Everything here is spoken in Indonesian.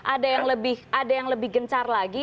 ada yang lebih ada yang lebih gencar lagi